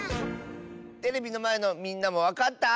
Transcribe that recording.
テレビのまえのみんなもわかった？